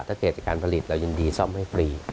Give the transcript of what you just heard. ถ้าเกิดการผลิตเรายินดีซ่อมให้ฟรี